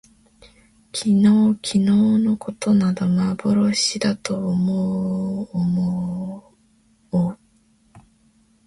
昨日きのうのことなど幻まぼろしだと思おもおう